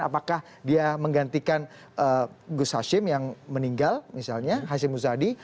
apakah dia menggantikan gus hashim yang meninggal misalnya hashim muzadi